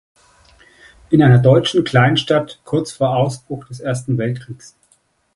In einer deutschen Kleinstadt kurz vor Ausbruch des Ersten Weltkriegs.